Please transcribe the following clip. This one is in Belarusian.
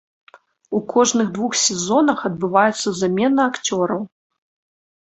У кожных двух сезонах адбываецца замена акцёраў.